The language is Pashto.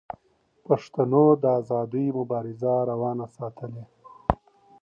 پښتنو د آزادۍ مبارزه روانه ساتلې.